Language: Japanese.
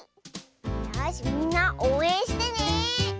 よしみんなおうえんしてね。